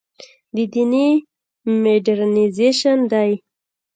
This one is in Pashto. دیني مډرنیزېشن دی.